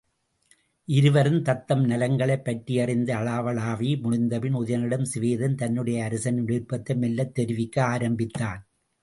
இருவரும் தத்தம் நலங்களைப் பற்றியறிந்து அளவளாவி முடிந்தபின் உதயணனிடம் சிவேதன் தன்னுடைய அரசனின் விருப்பத்தை மெல்லத் தெரிவிக்க ஆரம்பித்தான்.